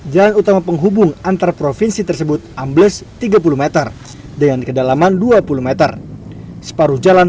jalan utama penghubung antar provinsi tersebut ambles tiga puluh m dengan kedalaman dua puluh m separuh jalan